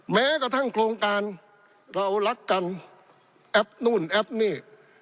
แม้กระทั่งโครงการเรารักกันแอปนู่นแอปนี่